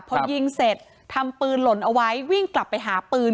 พอยิงเสร็จทำปืนหล่นเอาไว้วิ่งกลับไปหาปืน